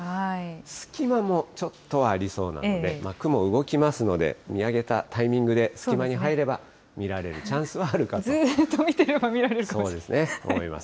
隙間もちょっとありそうなんで、雲、動きますので、見上げたタイミングで隙間に入れば、見られるずっと見てれば見られるかもそうですね、そう思います。